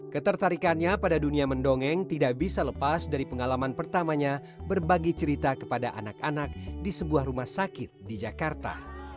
ketertarikannya pada dunia mendongeng tidak bisa lepas dari pengalaman pertamanya berbagi cerita kepada anak anak di sebuah rumah sakit di jakarta